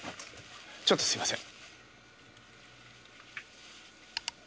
ちょっとすいません。